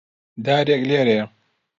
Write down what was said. دارێک لێرەیە.